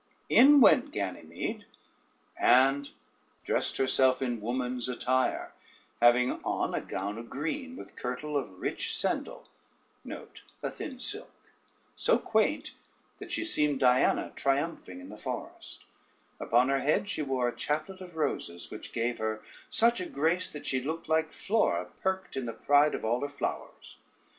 In went Ganymede and dressed herself in woman's attire, having on a gown of green, with kirtle of rich sendal, so quaint, that she seemed Diana triumphing in the forest; upon her head she wore a chaplet of roses, which gave her such a grace that she looked like Flora perked in the pride of all her flowers.